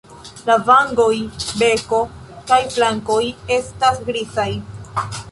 La vangoj, beko kaj flankoj estas grizaj.